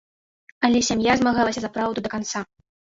Але сям'я змагалася за праўду да канца.